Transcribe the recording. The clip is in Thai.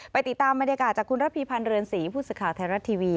ติดตามบรรยากาศจากคุณระพีพันธ์เรือนศรีผู้สื่อข่าวไทยรัฐทีวี